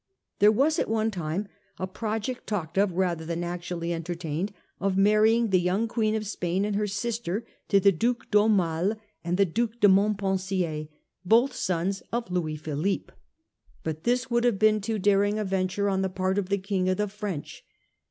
There was at one time a project talked of rather than actually entertained, of marry ing the young Queen of Spain and her sister to the Due d'Aumale and the Due de Montpensier, both sons of Louis Philippe. But this would have been too daring a venture on the part of the King of the French.